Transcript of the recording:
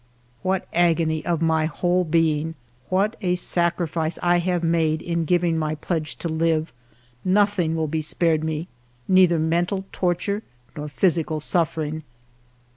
What agony of my whole being ! What a sac rifice I have made in giving my pledge to live ! Nothing will be spared me, neither mental torture nor physical suffering.